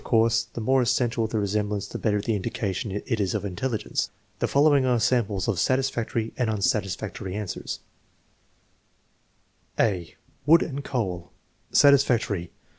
VHI, 4 219 course, the more essential the resemblance, the better indica tion it is of intelligence. The following are samples of satis factory and unsatisfactory answers : 1 (a) Wood and coal Satisfactory.